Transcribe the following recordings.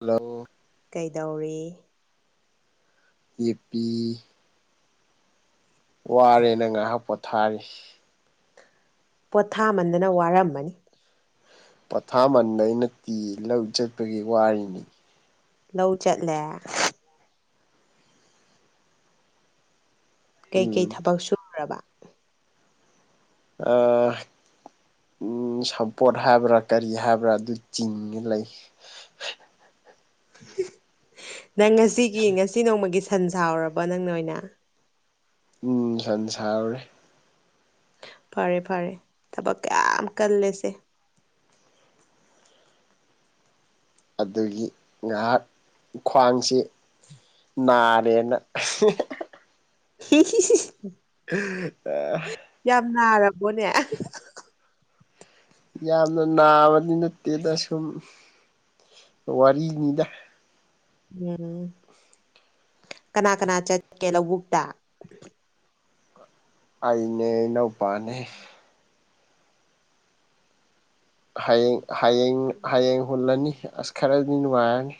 hello ꯀꯩꯗꯧꯔꯤ ꯑꯦ ꯄꯄꯤ ꯋꯥꯔꯦꯅ ꯉꯥꯏꯍꯥꯛ ꯄꯣꯊꯥꯔꯤ ꯄꯣꯊꯥꯃꯟꯗꯅ ꯋꯥꯔꯝꯃꯅꯤ ꯄꯣꯊꯥꯃꯟꯗ ꯑꯩꯅ ꯇꯤ ꯂꯧ ꯆꯠꯄꯒꯤ ꯋꯥꯔꯤꯅꯤ ꯂꯧ ꯆꯠꯂꯦ ꯀꯩꯀꯩ ꯎꯝ ꯊꯕꯛ ꯁꯨꯔꯨꯔꯕ ꯑ ꯎ ꯁꯝꯄꯣꯠ ꯍꯥꯏꯕ꯭ꯔꯥ ꯀꯔꯤ ꯍꯥꯏꯕ꯭ꯔꯥ ꯑꯗꯨ ꯆꯤꯡꯉ ꯂꯩ ꯅꯪ ꯉꯁꯤꯒꯤ ꯉꯁꯤ ꯅꯣꯡꯃꯒꯤ ꯁꯟ ꯁꯥꯎꯔꯕꯣ ꯅꯪ ꯅ ꯑꯣꯏꯅ ꯎꯝ ꯁꯟ ꯁꯥꯎꯔꯦ ꯐꯔꯦ ꯐꯔꯦ ꯊꯕꯛ ꯀꯌꯥꯝ ꯀꯜꯂꯦꯁꯦ ꯑꯗꯨꯗꯒꯤ ꯉꯥꯏꯍꯥꯛ ꯈ꯭ꯋꯥꯡꯁꯤ ꯅꯥꯔꯦꯅ [inaudible] [inaudible] ꯌꯥꯝ ꯅꯥꯔꯕꯣꯅꯦ ꯌꯥꯝꯅ ꯅꯥꯕꯗꯤ ꯅꯠꯇꯦꯗ ꯁꯨꯝ ꯋꯥꯔꯤꯅꯤꯗ ꯎꯝ ꯀꯅꯥ ꯀꯅꯥ ꯆꯠꯀꯦ ꯂꯧꯕꯨꯛꯇ ꯑꯩꯅꯦ ꯏꯅꯥꯎꯄꯥꯅꯦ ꯍꯌꯦꯡ ꯍꯌꯦꯡ ꯍꯌꯦꯡ ꯍꯨꯜꯂꯅꯤ ꯑꯁ ꯈꯔꯗꯤ ꯅꯨꯡꯉꯥꯏꯔꯅꯤ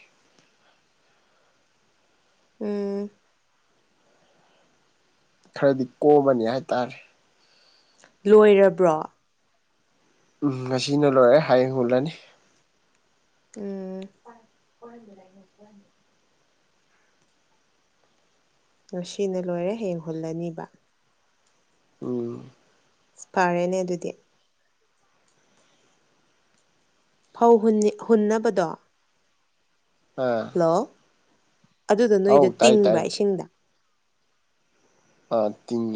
ꯎꯝ ꯈꯔꯗꯤ ꯀꯣꯝꯕꯅꯤ ꯍꯥꯏꯇꯥꯔꯦ ꯂꯣꯏꯔꯕ꯭ꯔꯣ ꯎꯝ ꯉꯁꯤꯅ ꯂꯣꯏꯔꯦ ꯍꯌꯦꯡ ꯍꯨꯜꯂꯅꯤ ꯎꯝ ꯅꯨꯡ ꯁꯤꯅ ꯂꯣꯏꯔꯦ ꯍꯦꯡ ꯍꯨꯜꯂꯅꯤꯕ ꯎꯝ ꯐꯔꯦꯅꯦ ꯑꯗꯨꯗꯤ ꯐꯧ ꯍꯨꯟꯅꯕꯗꯣ ꯑꯣ ꯍꯂꯣ ꯑꯗꯨꯗ ꯅꯣꯏꯗꯣ ꯇꯥꯏ ꯇꯤꯡꯕ꯭ꯔꯥ ꯇꯥꯏ ꯏꯁꯤꯡꯗ ꯑꯥ ꯇꯤꯡ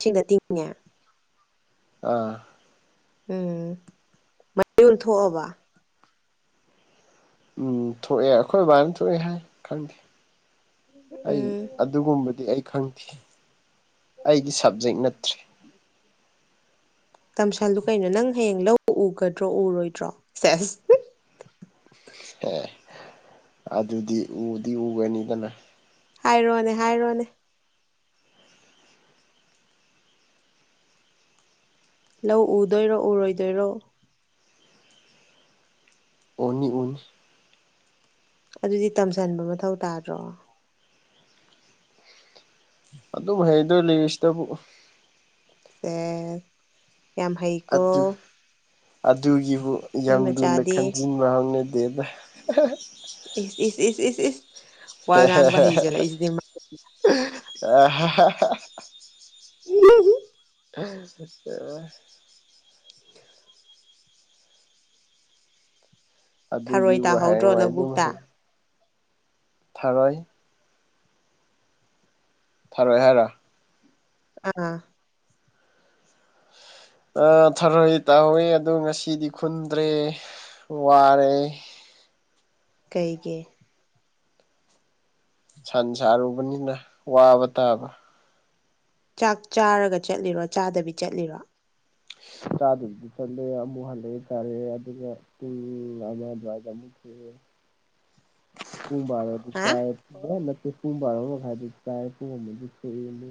ꯁꯤꯡꯅ ꯇꯤꯡꯉꯦ ꯑꯥ ꯎꯝ ꯃꯩ ꯑꯣꯟꯊꯣꯛꯑꯕ ꯎꯝ ꯊꯣꯛꯑꯦ ꯑꯩꯈꯣꯏ ꯕꯥꯅ ꯊꯣꯛꯑꯦ ꯍꯥꯏ ꯈꯪꯗꯦ ꯑꯩ ꯎꯝ ꯑꯗꯨꯒꯨꯝꯕꯗꯤ ꯑꯩ ꯈꯪꯗꯦ ꯑꯩꯒꯤ ꯁꯕꯖꯦꯛ ꯅꯠꯇ꯭ꯔꯦ [inaudible] ꯇꯝꯁꯥꯜꯗꯨ ꯀꯩꯅꯣ ꯅꯪ ꯍꯌꯦꯡ ꯂ ꯎꯒꯗ꯭ꯔꯣ ꯎꯔꯣꯏꯗ꯭ꯔꯣ ꯁꯦꯁ ꯑꯦ ꯑꯗꯨꯗꯤ ꯎꯗꯤ ꯎꯒꯅꯤꯗꯅ ꯍꯥꯏꯔꯣꯅꯦ ꯍꯥꯏꯔꯣꯅꯦ ꯂꯧ ꯎꯗꯣꯏꯔꯣ ꯎꯔꯣꯏꯗꯣꯏꯔꯣ [unintelligible] ꯑꯗꯨꯗꯤ ꯇꯝꯁꯟꯕ ꯃꯊꯧ ꯇꯥꯗ꯭ꯔꯣ ꯑꯗꯨ ꯑꯗꯨ ꯍꯩꯗ ꯂꯩ ꯏꯁꯗ ꯁꯦ ꯌꯥꯝ ꯍꯩꯀꯣ ꯑꯗꯨ ꯑꯗꯨꯒꯤꯕꯨ ꯃꯤ ꯌꯥꯝ ꯂꯨꯅ ꯃꯆꯥꯗꯤ ꯈꯟꯖꯤꯟꯕ ꯍꯧꯅꯗꯦꯗ ꯏꯁ ꯏꯁꯁ ꯏꯁꯁ ꯏꯁꯁ ꯏꯁꯁ ꯋꯥ ꯉꯥꯡꯕ ꯍꯩꯖꯜꯂꯛꯏꯁꯤꯗꯤ [unintelligible] [inaudible] ꯊꯔꯣꯏ ꯑꯗꯨꯒꯤꯕꯨ ꯇꯥꯍꯧꯗ꯭ꯔꯣ ꯍꯌꯦꯡ ꯂꯧꯕꯨꯛꯇ ꯋꯥꯏꯗꯨꯌꯦ ꯊꯥꯔꯣꯏ ꯐꯔꯣꯏ ꯍꯥꯏꯔꯣ ꯑꯥ ꯑ ꯊꯔꯣꯏ ꯇꯧꯍꯋꯤ ꯑꯗꯣ ꯉꯁꯤꯗꯤ ꯈꯨꯟꯗ꯭ꯔꯦ ꯋꯥꯔꯦ ꯀꯩꯒꯤ ꯁꯟ ꯁꯥꯔꯨꯕꯅꯤꯅ ꯋꯥꯕ ꯇꯥꯕ ꯆꯥꯛ ꯆꯥꯔꯒ ꯆꯠꯂꯤꯔꯣ ꯆꯥꯗꯕꯤ ꯆꯠꯂꯤꯔꯣ ꯆꯥꯗꯕꯗꯤ ꯆꯠꯂꯦ ꯑꯃꯨꯛ ꯍꯜꯂꯛꯑꯦ ꯇꯥꯔꯛꯑꯦ ꯑꯗꯨꯒ ꯎꯝ ꯑ ꯔꯒ ꯃꯨ ꯄꯨꯡ ꯕꯥꯔꯣꯗꯤ ꯍꯥ ꯆꯥꯏ ꯅꯠꯇꯦ ꯄꯨꯡ ꯕꯥꯔꯣ ꯃꯈꯥꯏꯗꯤ ꯆꯥꯏ ꯄꯨꯡ ꯑꯃꯗꯤ ꯁꯣꯛꯑꯦꯅꯦ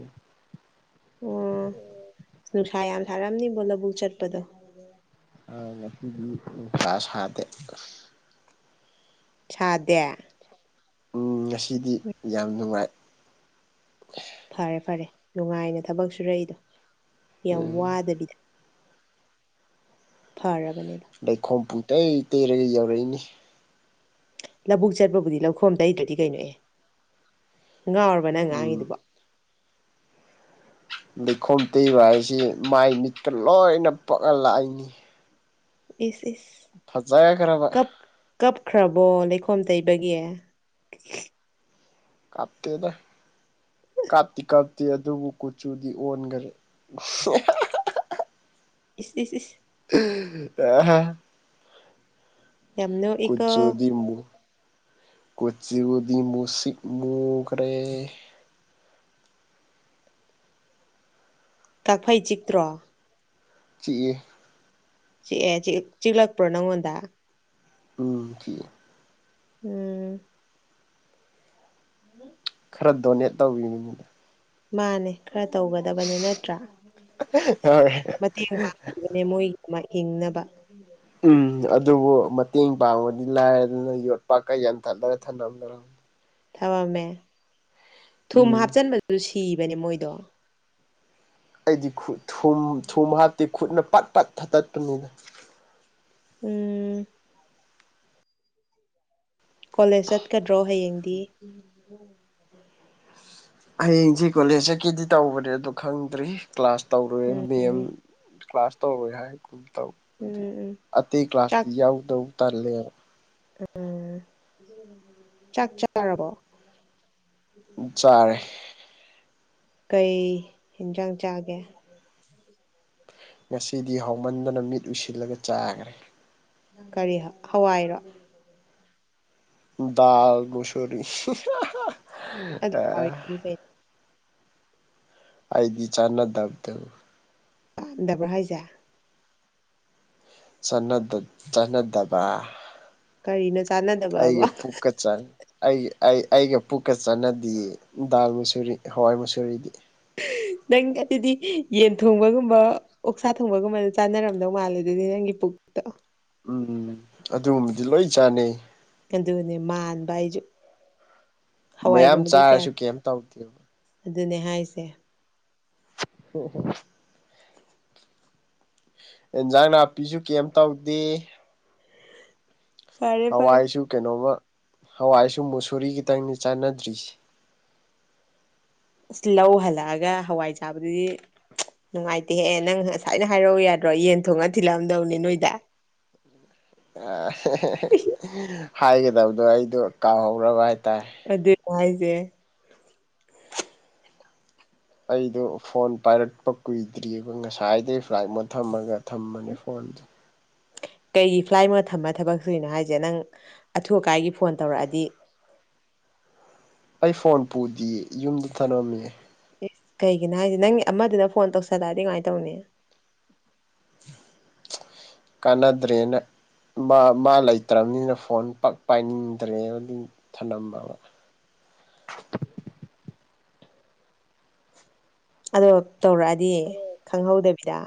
ꯑꯣ ꯅꯨꯡꯁꯥ ꯌꯥꯝ ꯁꯥꯔꯝꯅꯤꯕꯣ ꯂꯧꯕꯨꯛ ꯆꯠꯄꯗꯣ ꯅꯨꯄꯤꯗꯤꯄꯥ ꯁꯥꯗꯦ ꯊꯗꯦ ꯎꯝ ꯉꯁꯤꯗꯤ ꯌꯥꯝ ꯅꯨꯡꯉꯥꯏ ꯐꯔꯦ ꯐꯔꯦ ꯅꯨꯡꯉꯥꯏꯅ ꯊꯕꯛ ꯁꯨꯔꯛꯏꯗꯣ ꯌꯥꯝ ꯎꯝ ꯋꯥꯗꯕꯤꯗ ꯐꯥꯔꯕꯅꯦ ꯑꯗꯨ ꯂꯩꯈꯣꯝ ꯄꯨꯡ ꯇꯩ ꯇꯩꯔꯒ ꯌꯧꯔꯛꯏꯅꯤ ꯂꯧꯕꯨꯛ ꯆꯠꯄꯕꯨꯗꯤ ꯂꯧꯈꯣꯝꯗꯩꯗ꯭ꯔꯗꯤ ꯀꯩꯅꯣꯑ ꯉꯥꯎꯔꯕ ꯅꯪ ꯎꯝ ꯉꯥꯡꯉꯤꯗꯨꯕꯣ ꯂꯩꯈꯣꯝ ꯇꯩꯕ ꯍꯥꯏꯁꯤ ꯃꯥꯏ ꯃꯤꯠꯇꯀ ꯂꯣꯏꯅ ꯄꯛꯑ ꯂꯥꯛꯏꯅꯤ ꯏ ꯏ ꯐꯖꯒ ꯈꯔꯕ ꯀꯞꯈ꯭ꯔꯕꯣ ꯂꯩꯈꯣꯝ ꯇꯩꯕꯒꯤ ꯀꯥꯞꯇꯗ ꯀꯥꯞꯇꯤ ꯀꯥꯞꯇꯦ ꯑꯗꯨꯕꯨ ꯀꯨꯆꯨꯗꯤ ꯑꯣꯟꯈꯔꯦ ꯏꯁ ꯑ ꯌꯥꯝ ꯅꯣꯛꯏꯀꯣ ꯀꯆꯨ ꯗꯤꯝꯕꯨ ꯀꯨꯆꯤꯗꯤꯃꯨꯁꯤꯛ ꯃꯨꯈꯔ ꯀꯛꯐꯩ ꯆꯤꯛꯇ꯭ꯔꯣ ꯆꯤꯑ ꯆꯤꯛꯑꯦ ꯆꯤꯛꯂꯛꯄ꯭ꯔꯣ ꯅꯪꯉꯣꯟꯗ ꯎꯝ ꯊ ꯎꯝ ꯎꯝ ꯈꯔ ꯗꯣꯅꯦꯠ ꯇꯧꯕꯤꯕꯅꯤꯅ ꯃꯥꯅꯦ ꯈꯔ ꯇꯧꯒꯗꯕꯅꯤ ꯅꯠꯇ꯭ꯔꯥ ꯍꯣꯏ ꯃꯇꯦꯡ ꯄꯥꯡ ꯅꯦ ꯃꯣꯏ ꯍꯤꯡꯅꯕ ꯎꯝ ꯑꯗꯨꯕꯨ ꯃꯇꯦꯡ ꯄꯥꯡꯕꯗꯤ ꯂꯥꯏꯔꯗꯅ ꯌꯣꯠꯄꯥꯛꯀ ꯌꯥꯟꯊꯠꯂꯔ ꯊꯂꯝꯝꯅꯔꯝꯃꯤ ꯊꯃꯝꯃꯦ ꯊꯨꯝ ꯎꯝ ꯍꯥꯞꯆꯤꯟꯕꯗꯨꯁꯨ ꯁꯤꯕꯅꯦ ꯃꯣꯏꯗꯣ ꯑꯩꯗꯤꯠ ꯊꯨꯝ ꯊꯨꯝ ꯍꯥꯞꯇꯤ ꯈꯨꯠꯅ ꯄꯥꯠ ꯄꯠ ꯊꯠꯇꯠꯄꯅꯤꯅ ꯎꯝ ꯀꯣꯂꯦꯖ ꯆꯠꯀꯗ꯭ꯔꯣ ꯍꯌꯦꯡꯗꯤ ꯍꯌꯦꯡꯁꯤ ꯀꯣꯂꯦꯖ ꯆꯠꯀꯦꯗꯤ ꯇꯧꯕꯅꯦ ꯑꯗꯣ ꯈꯪꯗ꯭ꯔꯤ ꯀ꯭ꯂꯥꯁ ꯇꯧꯔꯨꯔꯦ ꯕꯦꯝ ꯀ꯭ꯂꯥꯁ ꯇꯧꯔꯣꯏ ꯍꯥꯏ ꯀꯨꯝ ꯇꯧ ꯎꯝ ꯑꯗꯨ ꯎꯝ ꯑꯇꯩ ꯀ꯭ꯂꯥꯁꯇꯤ ꯆꯥꯛ ꯌꯥꯎꯗꯧ ꯇꯜꯂꯦꯕ ꯎꯝ ꯆꯥꯛ ꯆꯥꯔꯕꯣ [inaudible] ꯆꯥꯔꯦ ꯀꯩ ꯍꯦꯟꯖꯥꯡ ꯆꯥꯒꯦ ꯎ [unintelligible] ꯉꯁꯤꯗꯤ ꯍꯥꯎꯃꯟꯗꯅ ꯃꯤꯠ ꯎꯏꯁꯤꯜꯂꯒ ꯆꯥꯈ꯭ꯔꯦ ꯀꯔꯤ ꯍꯋꯥꯏꯔꯣ ꯗꯜ ꯃꯨꯁꯔꯤ ꯑꯗ [unintelligible] ꯑꯩꯗꯤ ꯆꯥꯟꯅꯗꯕꯗ ꯗꯕ꯭ꯔ ꯍ ꯍꯥꯏꯖꯥ ꯁꯅꯗ ꯁꯅꯗꯕ ꯀꯔꯤꯅ ꯆꯥꯟꯅꯗꯕꯕꯣ ꯀꯆꯥꯏ ꯑꯩꯒꯤ ꯑꯩ ꯑꯩꯒ ꯄꯨꯛꯀ ꯆꯥꯟꯅꯗꯤꯌꯦ ꯗꯥꯜ ꯃꯁꯨꯔꯤ ꯍꯋꯥꯏ ꯃꯨꯁꯨꯨꯔꯤꯗꯤ ꯅꯪ ꯑꯗꯨꯗꯤ ꯌꯦꯟ ꯊꯣꯡꯕꯒꯨꯝꯕ ꯑꯣꯛꯁꯥ ꯊꯣꯡꯕꯒꯨꯝꯕꯗ ꯆꯥꯅꯔꯝꯗꯧ ꯃꯥꯜꯂꯦ ꯑꯗꯨꯗꯤ ꯅꯪꯒꯤ ꯄꯨꯛꯇꯣ ꯎꯝ ꯑꯗꯨꯒꯨꯝꯕꯗꯤ ꯂꯣꯏ ꯆꯥꯟꯅꯩ ꯑꯗꯨꯅꯦ ꯃꯥꯟꯕ ꯑꯩꯁꯨ ꯃꯌꯥꯝ ꯍꯋꯥꯏꯒꯨꯝꯕꯗꯤ ꯀꯌꯥ ꯆꯥꯔꯁꯨ ꯀꯩꯝ ꯇꯧꯗꯦ ꯑꯗꯨꯅꯦ ꯍꯥꯏꯁꯦ ꯑꯣ ꯍꯣ ꯏꯟꯖꯥꯡ ꯅꯥꯄꯤꯁꯨ ꯀꯩꯝ ꯇꯧꯗꯦ ꯐꯔꯦ ꯐꯔꯦ ꯍꯋꯥꯏꯁꯨ ꯀꯩꯅꯣꯝꯃ ꯍꯋꯥꯏꯁꯨ ꯃꯨꯁꯨꯔꯤ ꯈꯤꯇꯪꯅꯤ ꯆꯥꯟꯅꯗ꯭ꯔꯤꯁ ꯑ ꯂꯧ ꯍꯜꯂꯛꯑꯒ ꯍꯋꯥꯏ ꯆꯥꯕꯗꯨꯗꯤ ꯅꯨꯡꯉꯥꯏꯇꯦꯍꯦ ꯑꯦ ꯅꯪ ꯉꯁꯥꯏꯅ ꯍꯥꯏꯔꯛꯎ ꯌꯥꯗ꯭ꯔꯣ ꯌꯦꯟ ꯊꯣꯡꯉꯒ ꯊꯤꯜꯂꯛꯑꯝꯗꯧꯅꯦ ꯅꯣꯏꯗ ꯑ ꯍꯥꯏꯒꯗꯕꯗꯣ ꯑꯩꯗꯣ ꯀꯥꯎꯍꯧꯔꯕ ꯍꯥꯏꯇꯥꯏ ꯑꯩꯗꯤ ꯅꯨꯉꯥꯏꯖꯩꯌꯦ ꯑꯩꯗꯣ ꯐꯣꯟ ꯄꯥꯏꯔꯛꯄ ꯀꯨꯏꯗ꯭ꯔꯤꯑꯕ ꯉꯁꯥꯏꯗꯩ ꯐ꯭ꯂꯥꯏꯠꯃꯣ ꯊꯝꯃꯒ ꯊꯝꯕꯅꯦ ꯐꯣꯟꯁꯦ ꯀꯩꯒꯤ ꯐ꯭ꯂꯥꯏꯠꯃꯨꯠ ꯊꯝꯃ ꯊꯕꯛ ꯁꯨꯏꯅꯣ ꯍꯥꯏꯁꯦ ꯅꯪ ꯑꯊꯨ ꯑꯀꯥꯏꯒꯤ ꯐꯣꯟ ꯇꯧꯔꯛꯑꯗꯤ ꯑꯩ ꯐꯣꯟ ꯄꯨꯗꯤꯌꯦ ꯌꯨꯝꯗ ꯊꯅꯃꯃꯦ ꯏꯁ ꯀꯩꯒꯤꯅꯣ ꯍꯥꯏꯁꯦ ꯅꯪꯒꯤ ꯑꯃꯗꯨꯅ ꯐꯣꯟ ꯇꯧꯁꯜꯂꯛꯑꯗꯤ ꯀꯃꯥꯏ ꯇꯧꯅꯤ [inaudible] ꯀꯅꯗ꯭ꯔꯦꯅ ꯃꯥ ꯂꯩꯇ꯭ꯔꯝꯅꯤꯅ ꯐꯣꯟ ꯄꯛ ꯄꯥꯏꯅꯤꯡꯗ꯭ꯔꯦꯗꯨꯝ ꯊꯅꯝꯕ ꯑꯗꯣ ꯇꯧꯔꯛꯑꯗꯤ ꯈꯪꯍꯧꯗꯕꯤꯗ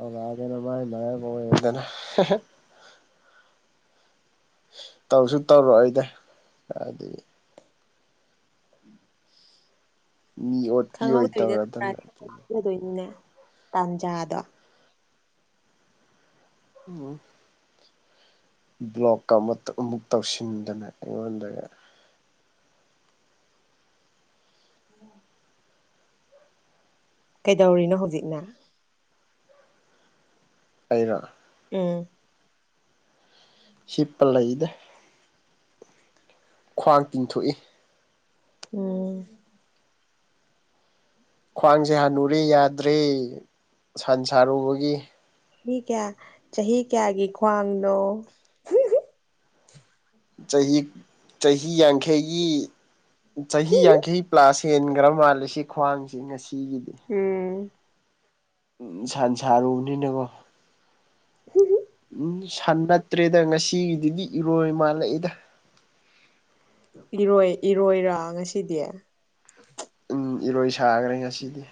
ꯑ ꯂꯒꯦꯅ ꯃꯥꯥꯏ ꯃꯉꯦ ꯄ ꯌꯦꯗꯅ ꯇꯧꯁꯨ ꯇꯧꯔꯣꯏꯗ ꯍꯥꯏꯗꯤ ꯃꯤ ꯑꯣꯠꯄꯤ ꯑꯣꯏ ꯇꯧꯔꯗꯅ ꯈꯪꯍꯧꯏꯗꯗꯣꯏꯅꯤꯅꯦ ꯇꯥꯟꯖꯥꯗꯣ ꯎꯝ ꯕ꯭ꯂꯣꯛꯀ ꯑꯃꯠꯇꯥ ꯑꯃꯨꯛ ꯇꯧꯁꯤꯟꯗꯅ ꯑꯩꯉꯣꯟꯗꯒ ꯑꯣ ꯀꯩꯗꯧꯔꯤꯅꯣ ꯍꯧꯖꯤꯛꯅ ꯀꯩꯅꯣ ꯎꯝ ꯁꯤꯄ ꯂꯩꯗ ꯈ꯭ꯋꯥꯡ ꯇꯤꯡꯊꯣꯛꯏ ꯎꯝ ꯈ꯭ꯋꯥꯡꯁꯦ ꯍꯥꯟꯅꯨꯔꯦ ꯌꯥꯗ꯭ꯔꯦ ꯁꯟ ꯁꯥꯔꯨꯕꯒꯤ ꯃꯤ ꯀꯌꯥ ꯆꯍꯤ ꯀꯌꯥꯒꯤ ꯈ꯭ꯋꯥꯡꯅꯣ ꯆꯍꯤ ꯆꯍꯤ ꯌꯥꯡꯈꯩꯒꯤ ꯆꯍꯤ ꯌꯥꯡꯈꯩ ꯄ꯭ꯂꯥꯁ ꯍꯦꯟꯈ꯭ꯔ ꯃꯥꯜꯂꯦ ꯁꯤ ꯈ꯭ꯋꯥꯡꯁꯤꯦ ꯉꯁꯤꯒꯤꯗꯤ ꯎꯝ ꯎꯝ ꯁꯟ ꯁꯥꯥꯔ ꯎꯗꯣꯏꯅꯤ ꯀꯣ ꯎꯝ ꯁꯟ ꯅꯠꯇ꯭ꯔꯦꯗ ꯉꯁꯤꯒꯤꯗꯨꯗꯤ ꯏꯔꯣꯏ ꯃꯥꯜꯂꯛꯏꯗ ꯏꯔꯣꯏ ꯏꯔꯣꯏꯔ ꯉꯁꯤꯗꯤ ꯎꯝ ꯏꯔꯣꯏ ꯁꯥꯈ꯭ꯔꯦ ꯉꯁꯤꯗꯤ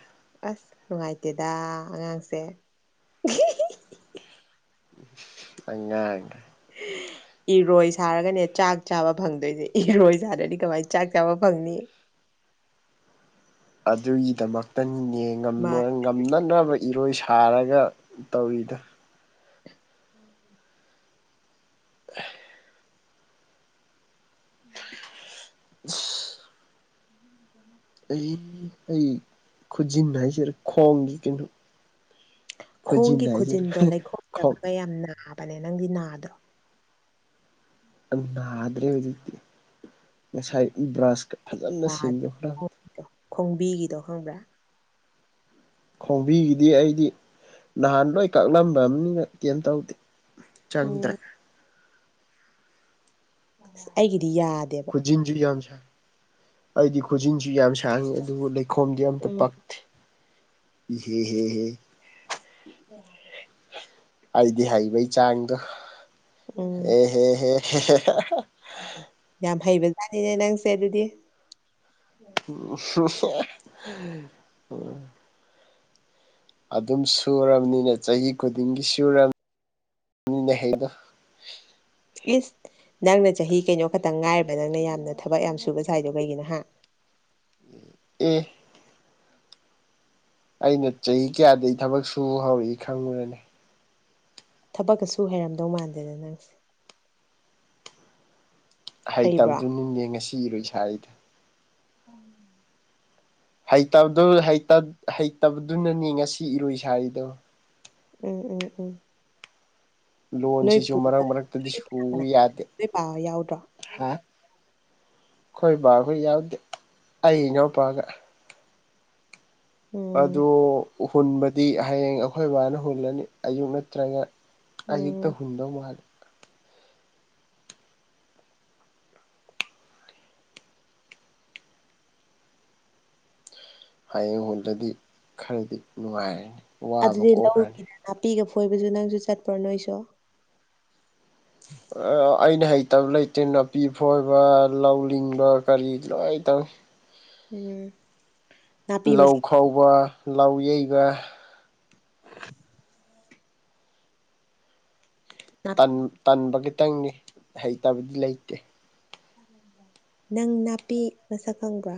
ꯑꯁ ꯅꯨꯡꯉꯥꯏꯇꯦꯗ ꯑꯉꯥꯡꯁꯦ ꯑꯉꯥꯡ [unintelligible] ꯏꯔꯣꯏ ꯁꯥꯔꯒꯅꯦ ꯆꯥꯛ ꯆꯥꯕ ꯐꯪꯗꯣꯏꯁꯦ ꯏꯔꯣꯏ ꯁꯥꯗ꯭ꯔꯗꯤ ꯀꯃꯥꯏꯅ ꯆꯥꯛ ꯆꯥꯕ ꯐꯪꯅꯤ ꯑꯗꯨꯒꯤꯗꯃꯛꯇꯅꯤꯅꯦ ꯉꯝ ꯃꯥ ꯌꯥꯝꯅꯛꯅꯕ ꯏꯔꯣꯏ ꯁꯥꯔꯒ ꯇꯧꯔꯤꯗꯣ [unintelligible] [inaudible] [unintelligible] ꯑꯩ ꯑꯩ ꯈꯨꯖꯤꯟꯅ ꯍꯥꯏꯖꯔꯦ ꯈꯣꯡꯒꯤ ꯀꯩꯅꯣ ꯈꯨꯖꯤꯟ ꯈꯣꯡꯒꯤ ꯍꯥꯏꯁꯤꯔ ꯈꯨꯖꯤꯟꯗꯣ ꯂꯩꯈꯣꯝꯗ ꯈꯣꯡ ꯈꯔꯥ ꯌꯥꯝ ꯅꯥꯕꯅꯦ ꯅꯪꯗꯤ ꯅꯥꯗꯔꯣ ꯅꯥꯗ꯭ꯔꯦ ꯍꯧꯖꯤꯛꯇꯤ ꯉꯁꯥꯏ ꯕ꯭ꯔꯁꯀ ꯐꯖꯅ ꯌꯥꯗ꯭ꯔꯣ ꯁꯦꯡꯗꯣꯛꯈ꯭ꯔ ꯈꯣꯡꯕꯤꯒꯤꯗꯣ ꯈꯪꯕ꯭ꯔꯥ ꯈꯣꯡꯕꯤꯒꯤꯗꯤ ꯑꯩꯗꯤ ꯅꯍꯥꯟ ꯂꯣꯏ ꯀꯛꯂꯝꯕ ꯑꯃꯅꯤꯅ ꯀꯩꯝꯇꯧꯗꯦ ꯆꯪꯗ꯭ꯔꯦ ꯎꯝ ꯑꯩꯒꯤꯗꯤ ꯌꯥꯗꯦꯕ ꯈꯨꯖꯤꯟꯁꯨ ꯌꯥꯝ ꯁꯥꯡ ꯑꯩꯗꯤ ꯈꯨꯖꯤꯟꯁꯨ ꯌꯥꯝ ꯁꯥꯡꯉꯤ ꯑꯗꯨꯕꯨ ꯂꯩ ꯈꯣꯝꯗꯤ ꯑꯝꯇꯥ ꯎꯝ ꯄꯛꯇꯦ ꯏꯍꯦ ꯍꯦ ꯍꯦ ꯌꯥ [inaudible] ꯑꯩꯗꯤ ꯍꯩꯕꯩ ꯆꯥꯡꯗꯣ ꯎꯝ ꯑꯦ ꯍꯦ ꯍꯦ ꯌꯥꯝ ꯍꯩꯕꯖꯥꯠꯅꯤꯅꯦ ꯅꯪꯁꯦ ꯑꯗꯨꯗꯤ ꯎꯝ [inaudible] ꯑꯗꯨꯝ ꯁꯨꯔꯕꯅꯤꯅ ꯆꯍꯤ ꯈꯨꯗꯤꯡꯒꯤ ꯁꯨꯔꯕꯅꯤꯅ ꯍꯩꯗꯣ ꯏꯁ ꯅꯪꯅ ꯆꯍꯤ ꯀꯩꯅꯣ ꯈꯛꯇꯪ ꯉꯥꯏꯔꯗꯅ ꯅꯪ ꯌꯥꯝꯅ ꯊꯕꯛ ꯌꯥꯝ ꯁꯨꯕ ꯁꯥꯏꯗꯣ ꯀꯩꯒꯤꯅꯣ ꯍꯥ ꯑꯦ ꯑꯩꯅ ꯆꯍꯤ ꯀꯌꯥꯗꯩ ꯊꯕꯛ ꯁꯨ ꯍꯧꯔꯛꯏ ꯈꯪꯕꯔꯥꯅꯦ ꯊꯕꯛꯀꯁꯨ ꯍꯩꯔꯝꯗꯧ ꯃꯥꯟꯗꯦꯗ ꯅꯪꯁꯦ ꯍꯩꯕ꯭ꯔꯣ ꯍꯩꯇꯕꯗꯨꯅꯤꯅꯦ ꯉꯁꯤ ꯂꯩꯁꯔꯤꯗꯣ ꯑ [unintelligible] ꯍꯩꯇꯕꯗꯨꯅꯅꯤ ꯉꯁꯤ ꯏꯔꯣꯏ ꯁꯥꯔꯤꯗꯣ ꯎꯝ ꯎꯝ ꯎꯝ ꯅꯣꯏ ꯂꯣꯟꯁꯤꯁꯨ ꯃꯔꯛ ꯄꯨꯒ ꯃꯔꯛꯇꯗꯤ ꯅꯣꯏ ꯀꯅꯥ ꯁꯨꯕ ꯀꯅꯥ ꯌꯥꯗꯦ ꯅꯣꯏ ꯄꯥ ꯍꯣꯏ ꯌꯥꯎꯗ꯭ꯔꯣ ꯍꯥ ꯑꯩꯈꯣꯏ ꯕꯥꯈꯣꯏ ꯌꯥꯎꯗꯦ ꯑꯩ ꯏꯅꯥꯎ ꯄꯥꯛꯑꯒ ꯑꯗꯨ ꯎꯝ ꯍꯨꯟꯕꯗꯤ ꯍꯌꯦꯡ ꯑꯩꯈꯣꯏ ꯕꯥꯅ ꯍꯨꯜꯂꯅꯤ ꯑꯌꯨꯛ ꯅꯠꯇ꯭ꯔꯒ ꯎꯝ ꯑꯖꯤꯛꯇ ꯍꯨꯟꯗꯧ ꯃꯥꯂꯤ ꯍꯌꯦꯡ ꯍꯣꯟꯗꯔꯗꯤ ꯈꯔꯗꯤ ꯅꯨꯡꯉꯥꯏꯔꯅꯤ ꯋꯥꯕ ꯑꯗꯨꯗꯤ ꯀꯣꯛꯈ꯭ꯔꯅꯤ ꯂꯧꯒꯤꯗ ꯅꯥꯄꯤꯒ ꯐꯣꯏꯕꯁꯨ ꯅꯪꯁꯨ ꯆꯠꯄ꯭ꯔꯣ ꯅꯣꯏꯁꯨ ꯑꯩꯅ ꯍꯩꯇꯕ ꯂꯩꯇꯦ ꯅꯥꯄꯤ ꯐꯣꯏꯕ ꯂꯧ ꯂꯤꯡꯕ ꯀꯔꯤ ꯂꯣꯏ ꯇꯧꯏ ꯎꯝ ꯅꯥꯄꯤ ꯂꯧ ꯈꯥꯎꯕ ꯂꯧ ꯌꯩꯕ ꯃꯁꯛ ꯇꯟꯕ ꯈꯤꯇꯪꯅꯤ ꯍꯩꯇꯕꯗꯤ ꯂꯩꯇꯦ ꯅꯪ ꯅꯥꯄꯤ ꯃꯁꯛ ꯈꯪꯕ꯭ꯔꯥ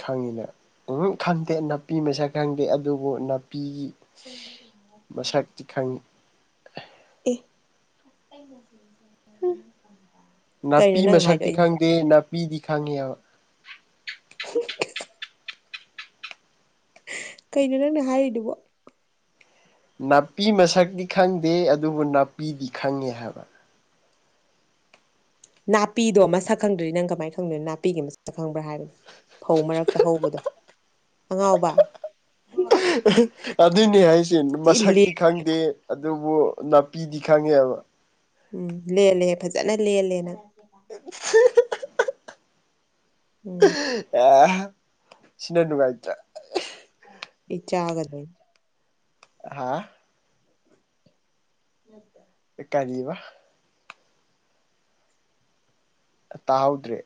ꯈꯪꯉꯤꯅ ꯎꯃ ꯈꯪꯗꯦ ꯅꯥꯄꯤ ꯃꯁꯛ ꯈꯪꯗꯦ ꯑꯗꯨꯕꯨ ꯅꯥꯄꯤꯒꯤ ꯃꯁꯛꯇꯤ ꯈꯪ ꯑꯦ ꯀꯩꯅꯣ ꯅꯥꯄꯤ ꯅꯪ ꯍꯥꯏꯗꯣ ꯃꯁꯛꯇꯤ ꯑꯩ ꯈꯪꯗꯦ ꯅꯥꯄꯤꯗꯤ ꯈꯪꯉꯦꯕ ꯀꯩꯅꯣ ꯅꯪꯅ ꯍꯥꯏꯔꯤꯗꯨꯕꯣ ꯅꯥꯄꯤ ꯃꯁꯛꯇꯤ ꯈꯪꯗꯦ ꯑꯗꯨꯕꯨ ꯅꯥꯄꯤꯗꯤ ꯈꯪꯉꯦ ꯍꯥꯏꯕ ꯅꯥꯄꯤꯗꯣ ꯑꯃ ꯁꯛꯈꯪꯗ꯭ꯔꯔꯤ ꯅꯪ ꯀꯃꯥꯏꯅ ꯈꯪꯗꯣꯏꯅꯣ ꯅꯥꯄꯤꯒꯤ ꯑꯃꯛ ꯁꯛ ꯈꯪꯕ꯭ꯔꯥ ꯍꯥꯏꯕꯅꯤ ꯐꯧ ꯃꯔꯛꯇ ꯍꯧꯕꯗꯣ ꯑꯉꯥꯎꯕ ꯑꯗꯨꯏꯅꯦ ꯍꯥꯏꯁꯦ ꯊꯤ ꯂꯦ ꯃꯁꯛꯇꯤ ꯈꯪꯗꯦ ꯑꯗꯨꯕꯨ ꯅꯥꯄꯤꯗꯤ ꯈꯪꯉꯦꯕ ꯎꯝ ꯂꯦꯜꯂꯦ ꯐꯖꯅ ꯂꯦꯜꯂꯦꯅ [inaudible] ꯎꯝ ꯑꯦ ꯁꯤꯅꯅꯨꯡꯒꯥꯏꯠꯇ ꯏꯆ ꯍꯥꯏꯒꯗꯦ ꯍꯥ ꯅꯠꯇ ꯀꯔꯤꯕ ꯇꯥꯍꯧꯗ꯭ꯔꯦ